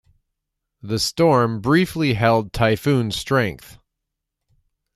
The storm briefly held typhoon strength.